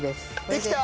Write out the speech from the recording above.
できた！